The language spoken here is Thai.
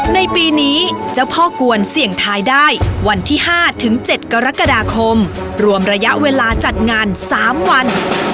ในปีนี้เจ้าพ่อกวนเสี่ยงทายได้วันที่๕ถึง๗กรกฎาคมรวมระยะเวลาจัดงาน๓วัน